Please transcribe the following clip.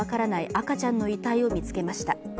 赤ちゃんの遺体を見つけました。